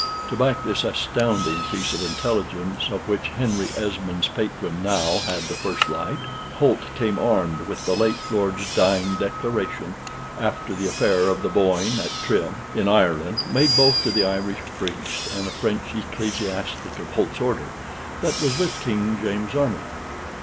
To back this astounding piece of intelligence, of which Henry Esmond's patron now had the first light, Holt came armed with the late lord's dying declaration, after the affair of the Boyne, at Trim, in Ireland, made both to the Irish priest and a French ecclesiastic of Holt's order, that was with King James's army.